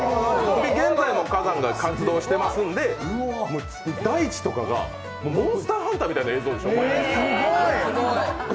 現在も火山が活動してますんで、モンスターハンターみたいな映像でしょ。